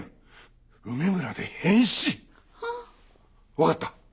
わかった。